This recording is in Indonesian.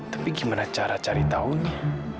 tapi gimana cara cari tahunya